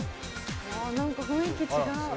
何か雰囲気違う。